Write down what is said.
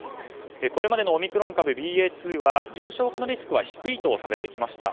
これまでのオミクロン株ＢＡ．２は重症化のリスクは低いとされてきました。